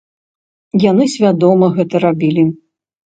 Яны свядома гэта рабілі.